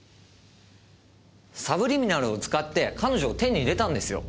サブリミナルを使って彼女を手に入れたんですよ。